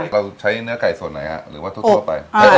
เราใช้เนื้อไก่ส่วนไหนหรือว่าทั่วไป